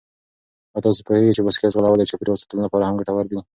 آیا تاسو پوهېږئ چې بايسکل ځغلول د چاپېریال ساتنې لپاره هم ګټور دي؟